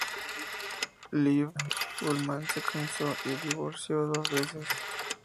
Liv Ullmann se casó y divorció dos veces.